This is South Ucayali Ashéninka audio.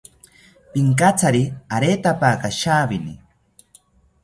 Pinkatsari aretapaka shawini